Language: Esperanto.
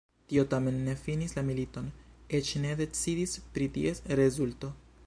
Tio tamen ne finis la militon, eĉ ne decidis pri ties rezulto.